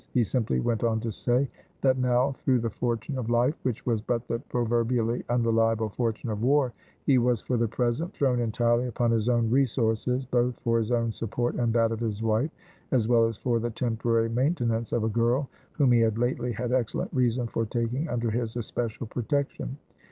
He simply went on to say, that now, through the fortune of life which was but the proverbially unreliable fortune of war he was, for the present, thrown entirely upon his own resources, both for his own support and that of his wife, as well as for the temporary maintenance of a girl, whom he had lately had excellent reason for taking under his especial protection.